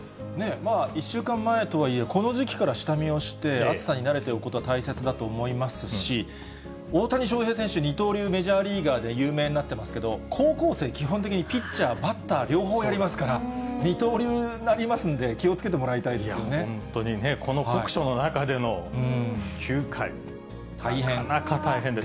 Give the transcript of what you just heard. １週間前とはいえ、この時期から下見をして、暑さに慣れておくことは大切だと思いますし、大谷翔平選手、二刀流メジャーリーガーで有名になってますけど、高校生、基本的にピッチャー、バッター、両方やりますから、二刀流になりますので、気をつけてもらいたい本当にね、この酷暑の中での９回、なかなか大変です。